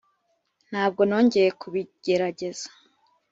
ntabwo nongeye kubigerageza.